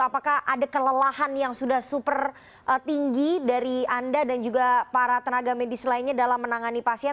apakah ada kelelahan yang sudah super tinggi dari anda dan juga para tenaga medis lainnya dalam menangani pasien